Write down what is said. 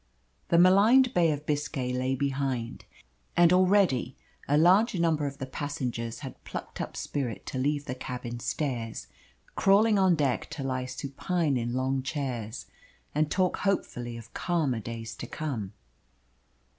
The maligned Bay of Biscay lay behind, and already a large number of the passengers had plucked up spirit to leave the cabin stairs, crawling on deck to lie supine in long chairs and talk hopefully of calmer days to come.